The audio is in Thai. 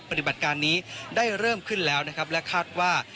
ปฏิบัติการนี้ได้เริ่มขึ้นแล้วนะครับและคาดว่า